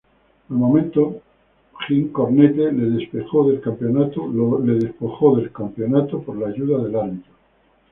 Al momento, Jim Cornette le despojó del campeonato por la ayuda del árbitro.